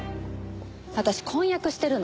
私婚約してるの。